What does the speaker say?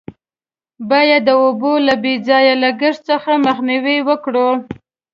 باید د اوبو له بې ځایه لگښت څخه مخنیوی وکړو.